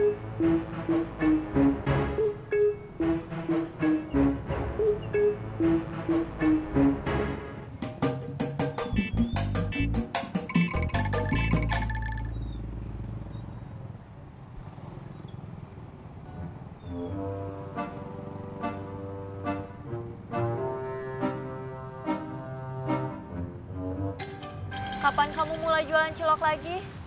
kapan kamu mulai jualan celok lagi